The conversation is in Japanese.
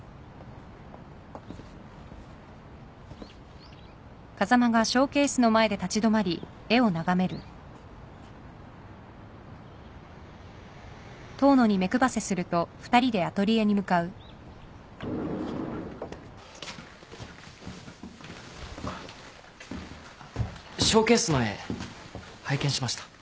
ショーケースの絵拝見しました。